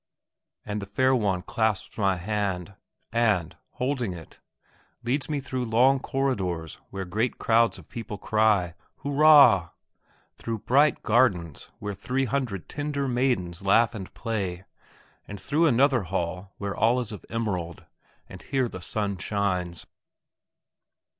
And the fair one clasps my hand and, holding it, leads me through long corridors where great crowds of people cry, "Hurrah!" through bright gardens where three hundred tender maidens laugh and play; and through another hall where all is of emerald; and here the sun shines.